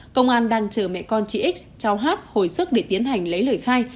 công an đang chờ mẹ con chị x cháu hát hồi sức để tiến hành lấy lời khai